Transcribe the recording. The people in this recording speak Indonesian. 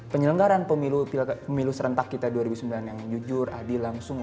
penyelenggaran pemilu serentak kita dua ribu sembilan yang jujur adil langsung